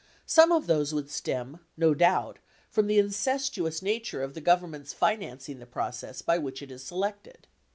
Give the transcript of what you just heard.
Some of those would stem, no doubt, from the incestuous nature of the Government's financing the process by which it is selected.